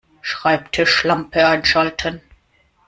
Schreibtischlampe einschalten